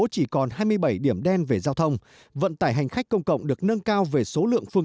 chỉ còn hai mươi bảy điểm đen về giao thông vận tải hành khách công cộng được nâng cao về số lượng phương